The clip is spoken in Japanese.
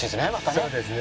そうですね。